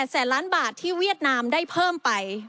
แสนล้านบาทที่เวียดนามได้เพิ่มไป